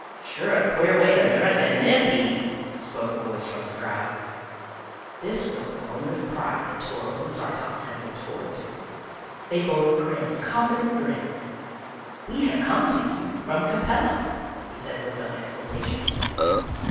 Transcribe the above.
"Sure a queer way to dress in this heat," spoke a voice from the crowd. This was the moment of pride that Toryl and Sartan had looked forward to. They both grinned confident grins. "We have come to you from Capella," he said with some exultation.